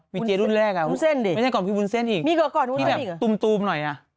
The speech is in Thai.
วีเจรุ่นแรกอะไม่ใช่ก่อนพี่บุญเซ่นอีกที่แบบตูบหน่อยอะ